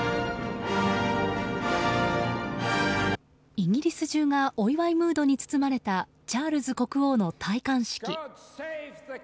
イギリス中がお祝いムードに包まれたチャールズ国王の戴冠式。